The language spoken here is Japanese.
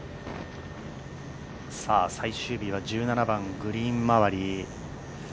最終日１７番グリーン周り。